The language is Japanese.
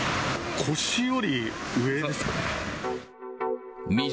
腰より上ですかね？